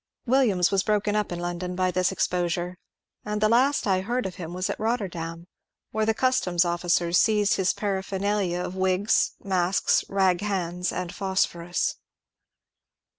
Williams was broken up in London by this exposure, and the last I heard of him was at Botterdam where the customs officers seized his paraphernalia of wigs, masks, rag hands, and phosphorus.